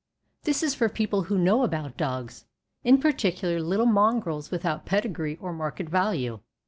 This is for people who know about dogs, in particular little mongrels without pedigree or market value.